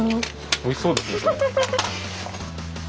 おいしそうですねそれ。